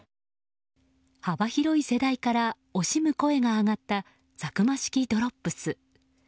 幅広い世代から惜しむ声が上がったサクマ式ドロップス。